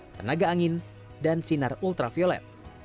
tenaga angin dan sinar ultraviolet